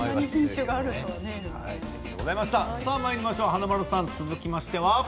華丸さん、続きましては。